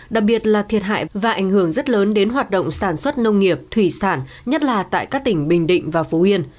đặc biệt là thiệt hại và ảnh hưởng rất lớn đến hoạt động sản xuất nông nghiệp thủy sản nhất là tại các tỉnh bình định và phú yên